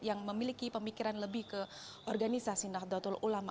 yang memiliki pemikiran lebih ke organisasi nahdlatul ulama